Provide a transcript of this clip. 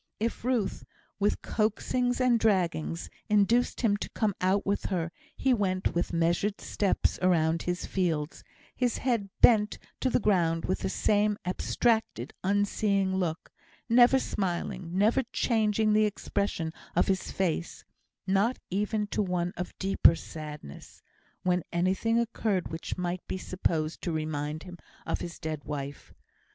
If Ruth, with coaxings and draggings, induced him to come out with her, he went with measured steps around his fields, his head bent to the ground with the same abstracted, unseeing look; never smiling never changing the expression of his face, not even to one of deeper sadness, when anything occurred which might be supposed to remind him of his dead wife.